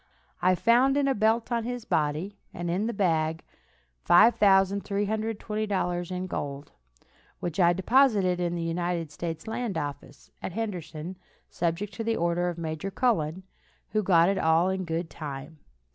I found in a belt on his body, and in the bag $5,320 in gold, which I deposited in the United States land office, at Henderson, subject to the order of Major Cullen, who got it all in good time.